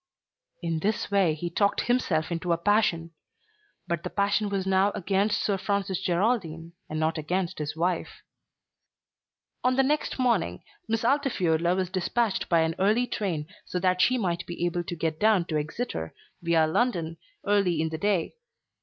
In this way he talked himself into a passion; but the passion was now against Sir Francis Geraldine and not against his wife. On the next morning Miss Altifiorla was despatched by an early train so that she might be able to get down to Exeter, viâ London, early in the day.